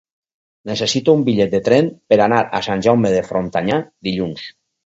Necessito un bitllet de tren per anar a Sant Jaume de Frontanyà dilluns.